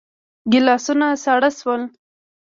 ګيلاسونه ساړه شول.